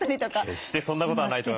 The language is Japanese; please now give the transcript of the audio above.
決してそんなことはないと思いますけど。